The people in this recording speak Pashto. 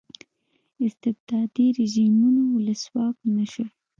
استبدادي رژیمونو ولسواک نه شول.